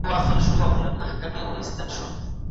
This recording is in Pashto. مثبت فکر کول ولي اړین دي؟